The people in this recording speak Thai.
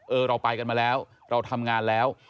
เราไปกันมาแล้วเราทำงานแล้ว